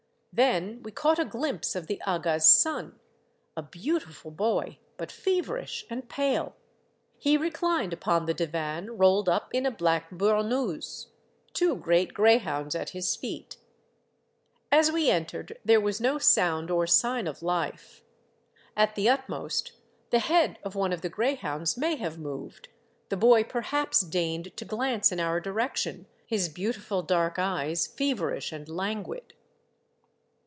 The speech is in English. Then we caught a ghmpse of the aga's son, a beautiful boy, but feverish and pale ; he re clined upon the divan, rolled up in a black burnous, two great greyhounds at his feet. As we entered, there was no sound or sign of life. At the utmost, the head of one of the grey hounds may have moved, the boy perhaps deigned to glance in our direction, his beautiful dark eyes feverish and languid.